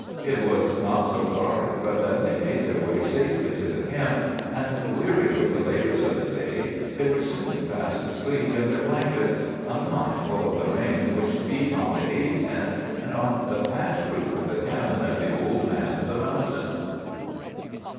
It was not so dark but that they made their way safely to the camp, and, weary with the labors of the day, they were soon fast asleep in their blankets, unmindful of the rain which beat on the "A" tent and on the patched roof of the cabin of the old man of the mountain.